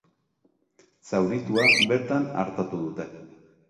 Zauritua bertan artatu dute.